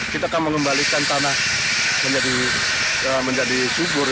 kita akan mengembalikan tanah menjadi subur